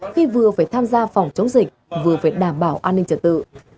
khi vừa phải tham gia phòng chống dịch vừa phải đảm bảo an ninh trật tự